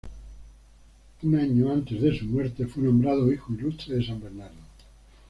Un año antes de su muerte fue nombrado hijo ilustre de San Bernardo.